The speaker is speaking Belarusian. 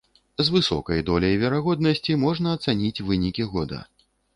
З высокай доляй верагоднасці можна ацаніць вынікі года.